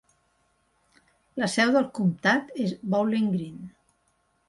La seu del comtat és Bowling Green.